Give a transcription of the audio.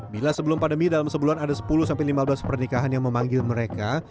bila sebelum pandemi dalam sebulan ada sepuluh sampai lima belas pernikahan yang memanggil mereka